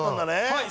はい。